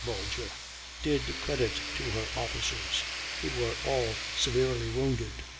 Bulger, "did credit to her officers, who were all severely wounded."